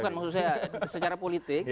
bukan maksud saya secara politik